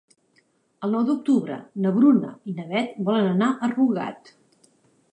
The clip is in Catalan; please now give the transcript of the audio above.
El nou d'octubre na Bruna i na Beth volen anar a Rugat.